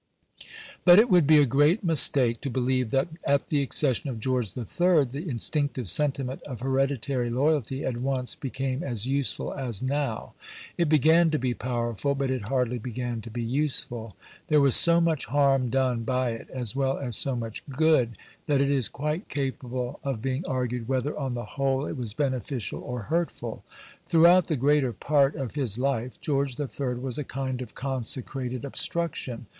But it would be a great mistake to believe that at the accession of George III. the instinctive sentiment of hereditary loyalty at once became as useful as now. It began to be powerful, but it hardly began to be useful. There was so much harm done by it as well as so much good, that it is quite capable of being argued whether on the whole it was beneficial or hurtful. Throughout the greater part of his life George III. was a kind of "consecrated obstruction".